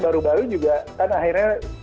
baru baru juga kan akhirnya